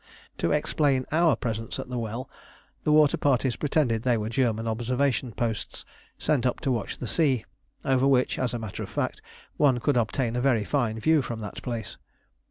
To explain our presence at the well, the water parties pretended they were German observation posts sent up to watch the sea, over which, as a matter of fact, one could obtain a very fine view from that place.